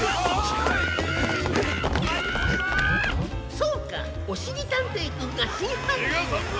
そうかおしりたんていくんがしんはんにんを。